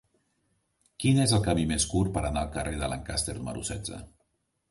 Quin és el camí més curt per anar al carrer de Lancaster número setze?